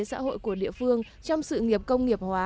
xã hội của địa phương trong sự nghiệp công nghiệp hóa